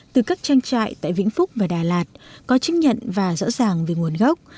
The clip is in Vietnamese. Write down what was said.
từ các trang trại tại vĩnh phúc và đà lạt có chứng nhận và rõ ràng về nguồn gốc